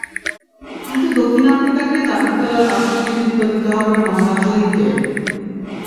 কিন্তু দক্ষিণ আফ্রিকাকে চাপে ফেলার আসল কৃতিত্ব দিতে হবে মোহাম্মদ শহীদকেই।